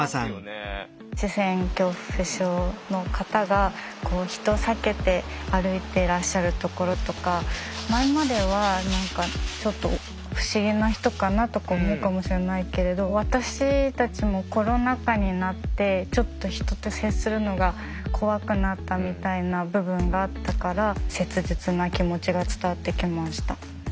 視線恐怖症の方が人を避けて歩いてらっしゃるところとか前まではちょっと不思議な人かなとか思うかもしれないけれど私たちもコロナ禍になってちょっと人と接するのが怖くなったみたいな部分があったから切実な気持ちが伝わってきました。